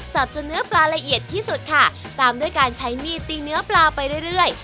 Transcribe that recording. จนเนื้อปลาละเอียดที่สุดค่ะตามด้วยการใช้มีดตีเนื้อปลาไปเรื่อย